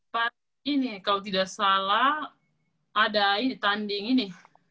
pak ini kalau tidak salah ada ini tanding ini